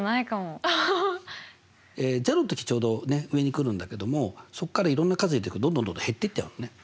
０の時ちょうど上に来るんだけどもそっからいろんな数入れていくとどんどんどんどん減っていっちゃうのね。